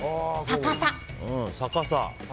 逆さ？